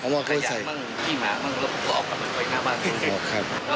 ไม่ให้คุณบอก